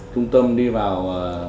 trung tâm đi vào